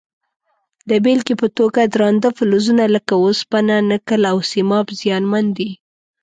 د بیلګې په توګه درانده فلزونه لکه وسپنه، نکل او سیماب زیانمن دي.